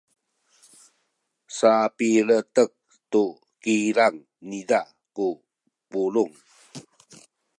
sapiletek tu kilang niza ku pulung.